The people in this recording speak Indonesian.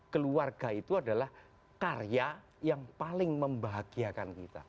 keluarga itu adalah karya yang paling membahagiakan kita